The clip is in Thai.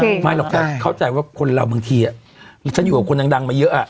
ไม่หรอกก็เข้าใจว่าคนเราบางทีฉันอยู่กับคนดังมาเยอะอ่ะ